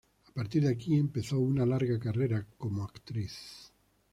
A partir de aquí, empezó una larga carrera como actriz.